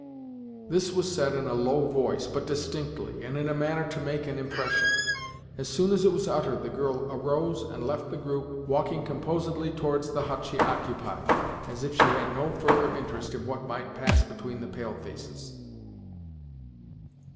This was said in a low voice, but distinctly, and in a manner to make an impression. As soon as it was uttered the girl arose and left the group, walking composedly towards the hut she occupied, as if she had no further interest in what might pass between the pale faces.